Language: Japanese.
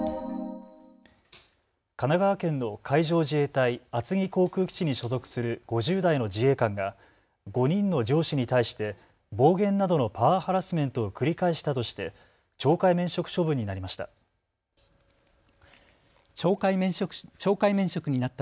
神奈川県の海上自衛隊厚木航空基地に所属する５０代の自衛官が５人の上司に対して暴言などのパワーハラスメントを繰り返したとして懲戒免職処分になりました。